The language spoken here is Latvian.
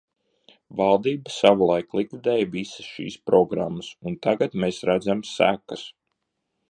Valdība savulaik likvidēja visas šīs programmas, un tagad mēs redzam sekas.